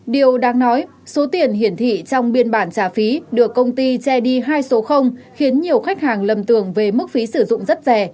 điều đáng nói số tiền hiển thị trong biên bản trả phí được công ty chedy hai số khiến nhiều khách hàng lầm tưởng về mức phí sử dụng rất rẻ